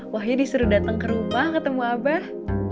wahyu disuruh datang ke rumah ketemu abah